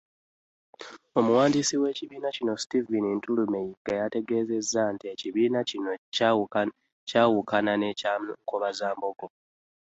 Omuwandiisi w’ekibiina kino, Steven Ntulume Yiga yategeezezza nti ekibiina kino kyawukana ne kya Nkobazambogo.